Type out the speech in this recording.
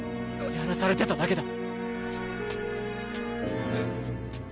やらされてただけだ。